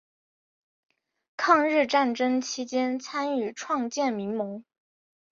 抗日战争期间参与创建民盟。